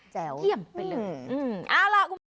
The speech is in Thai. เยี่ยมไปเลยอืมเอาล่ะ